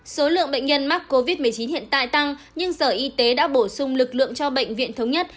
số lượng bệnh nhân mắc covid một mươi chín hiện tại tăng nhưng sở y tế đã bổ sung lực lượng cho bệnh viện thống nhất